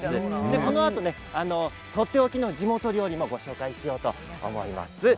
このあとはとっておきの地元料理もご紹介しようと思います。